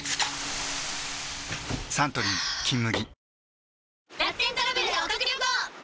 サントリー「金麦」